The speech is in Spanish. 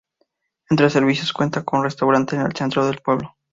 Entre servicios, cuenta con un restaurante en el centro del pueblo.